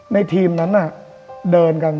ในทีมนั้นน่ะเดินกัน